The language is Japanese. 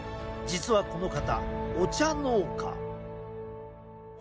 実はこの方、お茶農家。